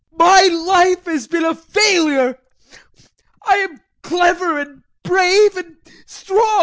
VOITSKI. My life has been a failure. I am clever and brave and strong.